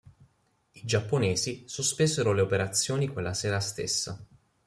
I giapponesi sospesero le operazioni quella sera stessa.